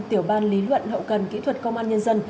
tiểu ban lý luận hậu cần kỹ thuật công an nhân dân